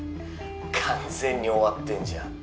完全に終わってんじゃん